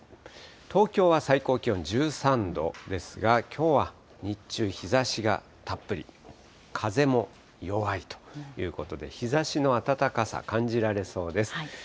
東京は最高気温１３度ですが、きょうは日中、日ざしがたっぷり、風も弱いということで、日ざしの暖かさ、感じられそうです。